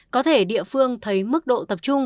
có thể địa phương thấy mức độ tập trung